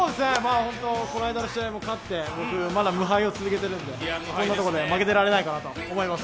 この間の試合も勝って、僕まだまだ無敗を続けてるんで、こんなとこで負けてられないと思います。